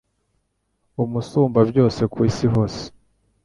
Umusumbabyose ku isi hose